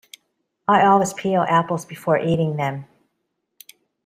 I always peel apples before eating them.